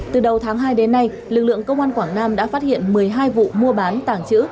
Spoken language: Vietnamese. từ đầu tháng hai đến nay lực lượng công an quảng nam đã phát hiện một mươi hai vụ mua bán tàng trữ